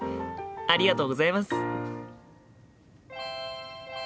ありがとうございます。